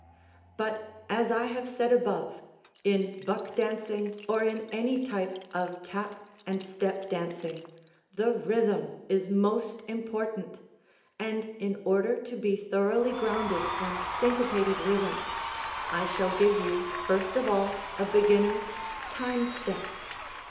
But, as I have said above, in buck dancing or in any type of tap and step dancing, the rhythm is most important, and in order to be thoroughly grounded on syncopated rhythms, I shall give you first of all a beginner's "time step."